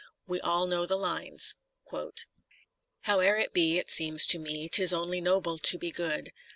We all know the lines : Howe'er it be, it seems to me, 'Tis only noble to be good.